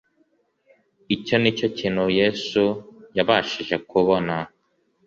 Icyo ni cyo kintu Yesu yabashije kubona.